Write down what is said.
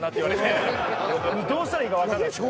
どうしたらいいかわかんないです。